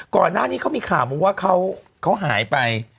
ก่อนหน้านี้เขามีข่าวมาว่าเขาหายไป